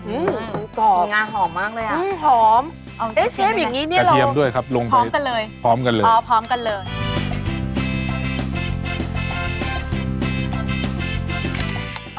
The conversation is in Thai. อื้อหงาหอมมากเลยอ่ะอื้อหอมเอ้ยเชฟอย่างงี้นี่เราพร้อมกันเลยพร้อมกันเลย